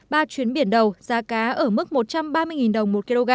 ba chuyến biển đầu giá cá ở mức một trăm ba mươi đồng một kg